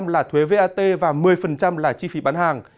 một mươi là thuế vat và một mươi là chi phí bán hàng